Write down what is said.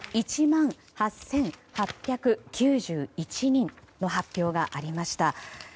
１万８８９１人の発表がありました。